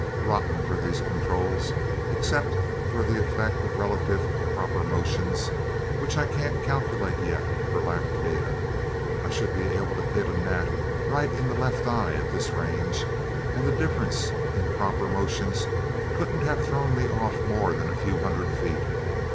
"Rotten, for these controls. Except for the effect of relative proper motions, which I can't calculate yet for lack of data. I should be able to hit a gnat right in the left eye at this range and the difference in proper motions couldn't have thrown me off more than a few hundred feet.